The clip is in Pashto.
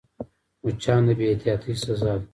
مچان د بې احتیاطۍ سزا ده